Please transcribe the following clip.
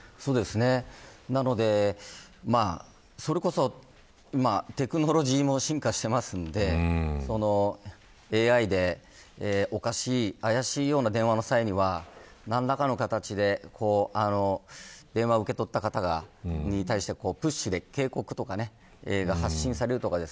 なのでそれこそテクノロジーも進化しているのでＡＩで、おかしい怪しいような電話の際には何らかの形で電話を受け取った方に対してプッシュで、警告とかが発信されるとか。